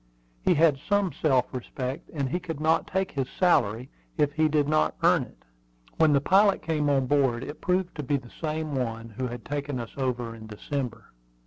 He had some self respect, and he could not take his salary if he did not earn it. When the pilot came on board it proved to be the same one who had taken us over in December.